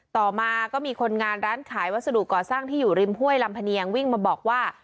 ต่อมาก็มีคนงานร้านขายวัสดุก่อสร้างที่อยู่ริมห้วยลำพะเนียงวิ่งมาบอกว่า